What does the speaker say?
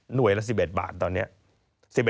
หน่วยละ๑๑บาทตอนนี้